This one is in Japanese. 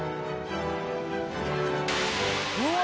うわ！